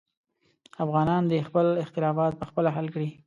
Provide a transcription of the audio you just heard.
افغانان دې خپل اختلافات پخپله حل کړي.